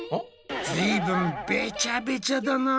ずいぶんべちゃべちゃだな。